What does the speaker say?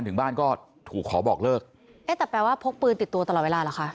เพราะว่าพกปืนติดตัวตลอดเวลาหรอคะ